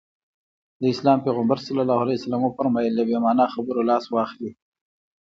د اسلام پيغمبر ص وفرمايل له بې معنا خبرو لاس واخلي.